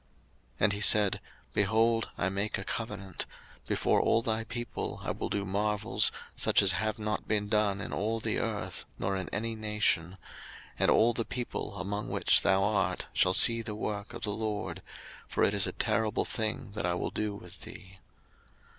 02:034:010 And he said, Behold, I make a covenant: before all thy people I will do marvels, such as have not been done in all the earth, nor in any nation: and all the people among which thou art shall see the work of the LORD: for it is a terrible thing that I will do with thee.